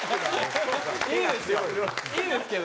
いいですよ。